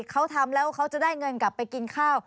เขาทำแล้วเขาจะได้เงินกลับไปกินข้าว